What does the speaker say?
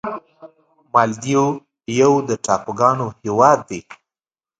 مالدیو یو د ټاپوګانو هېواد دی.